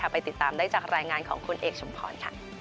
ไปติดตามได้จากรายงานของคุณเอกสมพร